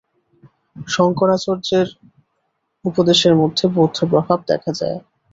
শঙ্করাচার্যের উপদেশের মধ্যে বৌদ্ধ প্রভাব দেখা যায়।